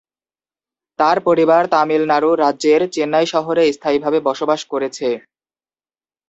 তাঁর পরিবার তামিলনাড়ু রাজ্যের চেন্নাই শহরে স্থায়ীভাবে বসবাস করেছে।